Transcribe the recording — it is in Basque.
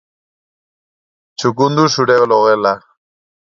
Txukundu zure logela.